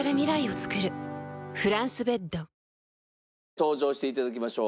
登場して頂きましょう。